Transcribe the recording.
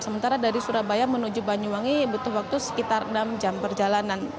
sementara dari surabaya menuju banyuwangi butuh waktu sekitar enam jam perjalanan